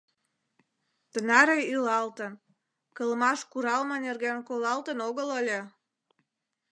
Тынаре илалтын, кылмаш куралме нерген колалтын огыл ыле.